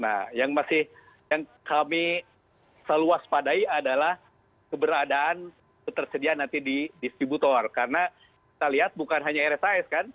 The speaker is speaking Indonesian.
nah yang masih yang kami seluas padai adalah keberadaan ketersediaan nanti di distributor karena kita lihat bukan hanya rsis kan